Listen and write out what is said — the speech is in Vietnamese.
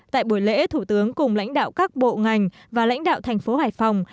tại buổi lễ thủ tướng cùng lãnh đạo các bộ ngành và lãnh đạo thành phố hải phòng